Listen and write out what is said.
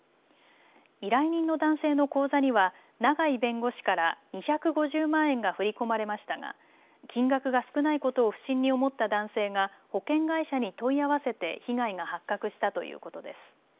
依頼人の男性の口座には永井弁護士から２５０万円が振り込まれましたが金額が少ないことを不審に思った男性が保険会社に問い合わせて被害が発覚したということです。